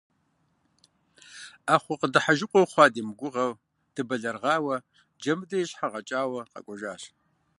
Ӏэхъуэ къыдыхьэжыгъуэ хъуа димыгугъэу дыбэлэрыгъауэ, Джэмыдэ и щхьэр гъэкӀауэ къэкӀуэжащ.